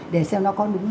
để xem nó có đúng